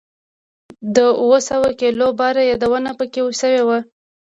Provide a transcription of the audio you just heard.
د اووه سوه کیلو بار یادونه په کې شوې وه.